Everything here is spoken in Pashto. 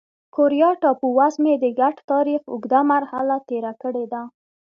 کوریا ټاپو وزمې د ګډ تاریخ اوږده مرحله تېره کړې ده.